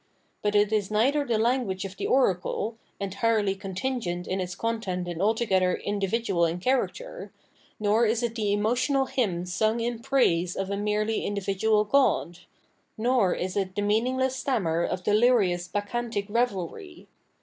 But it is neither the language of the oracle, entirely contingent in its content and alto gether individual in character ; nor is it the emotional hymn sung in praise of a merely individual god ; nor is it the meaningless stammer of dehrious bacchantic revelry.